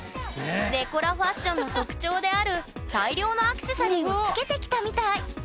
デコラファッションの特徴である大量のアクセサリーをつけてきたみたい。